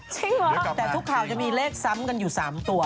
เหรอแต่ทุกข่าวจะมีเลขซ้ำกันอยู่๓ตัว